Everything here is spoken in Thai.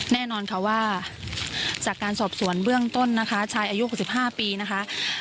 แน่นอนค่ะว่าจากการสอบสวนเบื้องต้นนะคะชายอายุ๖๕ปีนะคะ